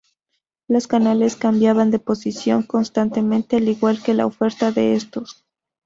Los canales cambiaban de posición constantemente al igual que la oferta de estos.